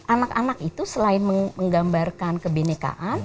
anak anak itu selain menggambarkan kebenekaan